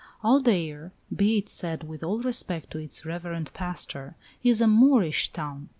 Aldeire, be it said with all respect to its reverend pastor, is a Moorish town.